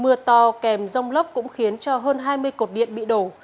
mưa to kèm rông lốc cũng khiến cho hơn hai mươi cột điện bị đổ